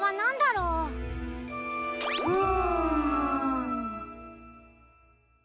うん。